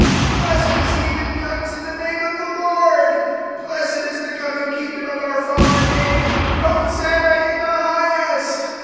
blessed is he that comes in the name of the Lord; (10)blessed is the coming kingdom of our father David; Hosanna in the highest!